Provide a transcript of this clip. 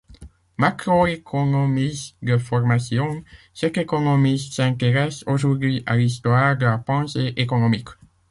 Macroéconomiste de formation, cet économiste s'intéresse aujourd'hui à l'histoire de la pensée économique.